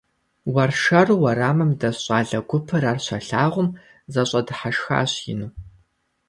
Уэршэру уэрамым дэс щӏалэ гупым ар щалъагъум, зэщӏэдыхьэшхащ ину.